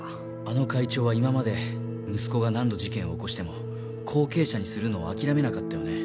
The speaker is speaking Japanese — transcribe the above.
あの会長は今まで息子が何度事件を起こしても後継者にするのを諦めなかったよね。